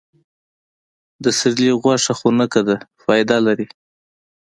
د سیرلي غوښه خونکه ده، فایده لري.